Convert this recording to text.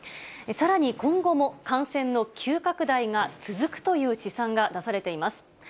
さらに今後も感染の急拡大が続くという試算が出されています。